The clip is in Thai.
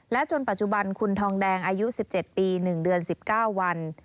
จนปัจจุบันคุณทองแดงอายุ๑๗ปี๑เดือน๑๙วัน